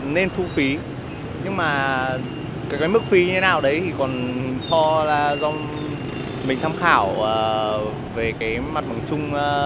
nên thu phí nhưng mà cái mức phi như thế nào đấy thì còn so là do mình tham khảo về cái mặt bằng chung